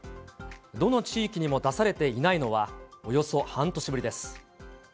どの地域にも出されていないのは、およそ半年ぶりです。